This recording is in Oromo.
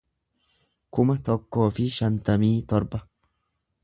kuma tokkoo fi shantamii torba